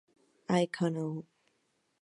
I know"".